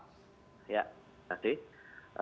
ya terima kasih